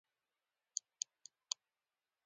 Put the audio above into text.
کچالو په سختو حالاتو کې هم وده کوي